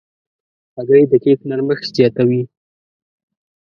هګۍ د کیک نرمښت زیاتوي.